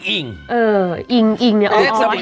เอออิ่งเนี่ยอออ